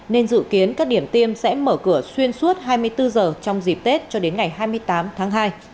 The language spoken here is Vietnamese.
nên dự kiến các điểm tiêm sẽ mở cửa xuyên suốt hai mươi bốn giờ trong dịp tết cho đến ngày hai mươi tám tháng hai